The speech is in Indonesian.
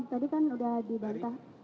tadi kan sudah dibantah